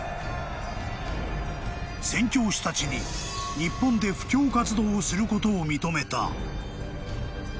［宣教師たちに日本で布教活動をすることを認めた］